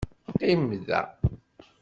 Qqim da.